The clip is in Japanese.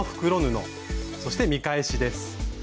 そして見返しです。